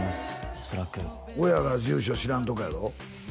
おそらく親が住所知らんとこやろ？